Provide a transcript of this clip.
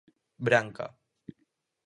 Branca.